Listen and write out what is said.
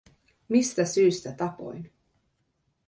Mistä syystä tapoin?